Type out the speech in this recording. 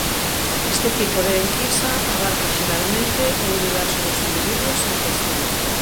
Este tipo de enquisa abarca xeralmente o universo dos individuos en cuestión.